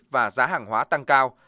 và giá hàng hóa tăng cao